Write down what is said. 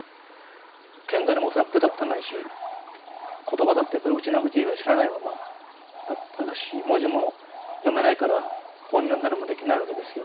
県外にも恐らく出たことないし言葉だってやっぱりウチナーグチ以外知らないままだったし文字も読めないから本読んだりもできないわけですよね。